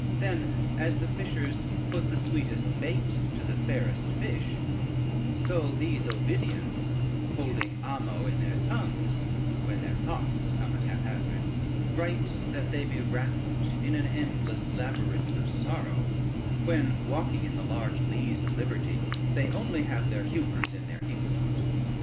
Then, as the fishers put the sweetest bait to the fairest fish, so these Ovidians, holding amo in their tongues, when their thoughts come at haphazard, write that they be rapt in an endless labyrinth of sorrow, when walking in the large lease of liberty, they only have their humors in their inkpot.